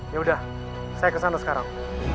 yaudah saya ke sana sekarang